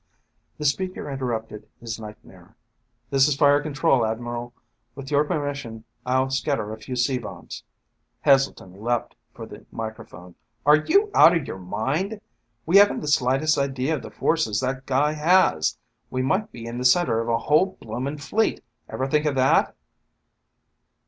The speaker interrupted his nightmare. "This is fire control, Admiral. With your permission I'll scatter a few C bombs ..." Heselton leaped for the microphone. "Are you out of your mind? We haven't the slightest idea of the forces that guy has. We might be in the center of a whole blooming fleet. Ever think of that?"